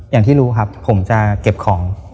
อย่างที่รู้ครับผมจะเก็บของ